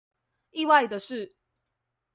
意外的是